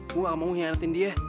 gue gak mau hianatin dia